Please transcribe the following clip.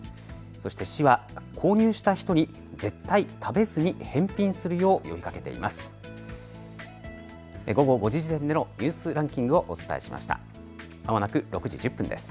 そして市は購入した人に絶対に食べずに返品するよう呼びかけています。